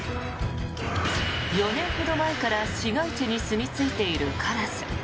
４年ほど前から市街地にすみ着いているカラス。